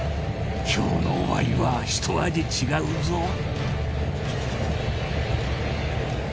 今日のワイはひと味違うぞ。